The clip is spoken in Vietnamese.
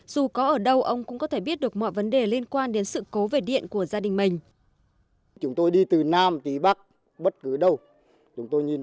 dù có ở đâu ông cũng có thể biết được mọi vấn đề liên quan đến sự cố về điện của gia đình mình